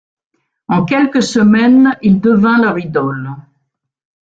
En quelques semaines, il devint leur idole.